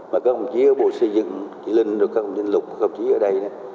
mà các ông chí ở bộ xây dựng chị linh các ông chí ở đây